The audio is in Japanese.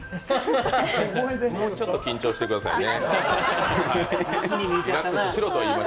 もうちょっと緊張してくださいね。